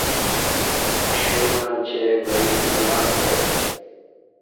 کشل منچے وری ا ݩگہ تے